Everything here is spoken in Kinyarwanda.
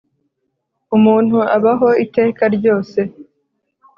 umuntu abaho iteka ryose